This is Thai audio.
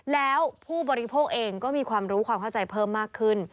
แล้วผู้บริโภคเองก็มีความรู้ความเข้าใจเพิ่มมากขึ้น